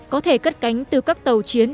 có thể cất cánh từ các tàu chiến